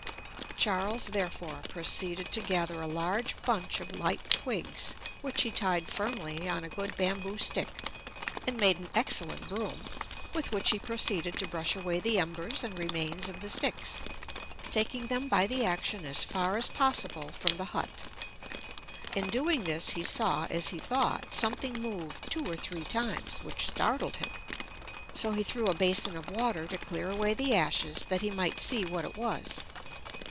Charles therefore proceeded to gather a large bunch of light twigs, which he tied firmly on a good bamboo stick, and made an excellent broom, with which he proceeded to brush away the embers and remains of the sticks, taking them by the action as far as possible from the hut. In doing this, he saw, as he thought, something move two or three times, which startled him; so he threw a basin of water to clear away the ashes, that he might see what it was.